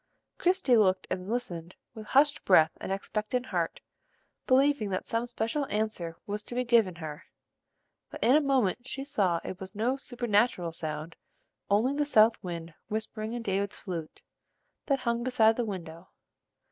Christie looked and listened with hushed breath and expectant heart, believing that some special answer was to be given her. But in a moment she saw it was no supernatural sound, only the south wind whispering in David's flute that hung beside the window.